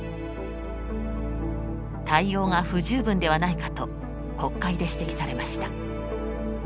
対応が不十分ではないかと国会で指摘されました。